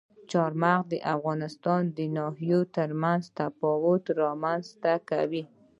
چار مغز د افغانستان د ناحیو ترمنځ تفاوتونه رامنځ ته کوي.